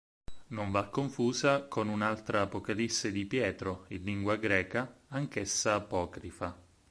Non va confusa con un'altra "Apocalisse di Pietro", in lingua greca, anch'essa apocrifa.